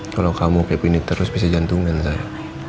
kalau kamu kayak gini terus bisa jantungan saya